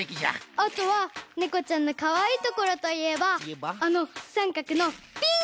あとはねこちゃんのかわいいところといえばあのさんかくのピンとしたおみみ。